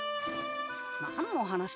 何の話だ？